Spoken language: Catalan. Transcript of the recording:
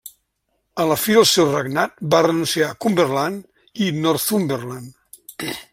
A la fi del seu regnat va renunciar a Cumberland i Northumberland.